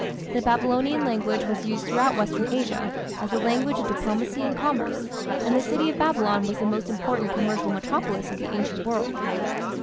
The Babylonian language was used throughout western Asia as the language of diplomacy and commerce, and the city of Babylon was the most important commercial metropolis of the ancient world.